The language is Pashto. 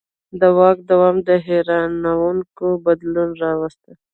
د واک دوام دا حیرانوونکی بدلون راوستی.